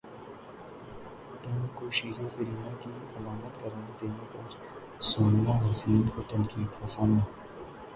ٹزم کو شیزوفیرینیا کی علامت قرار دینے پر سونیا حسین کو تنقید کا سامنا